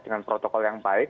dengan protokol yang baik